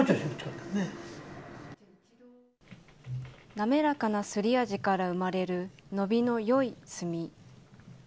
なめらかなすり味から生まれる伸びのよい墨。